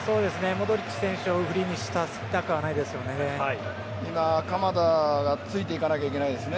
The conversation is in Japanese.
モドリッチ選手をフリーにさせたくはないですよね。